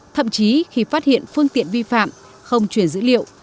thậm chí khi phát hiện phương tiện vi phạm không truyền dữ liệu